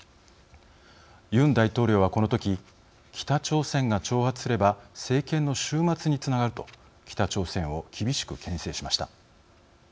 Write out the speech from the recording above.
ユン大統領はこの時「北朝鮮が挑発すれば政権の終末につながる」と北朝鮮を厳しくけん制しました。